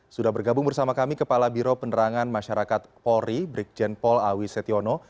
sudah bergabung bersama kami kepala biro penerangan masyarakat polri brikjen paul awi setiono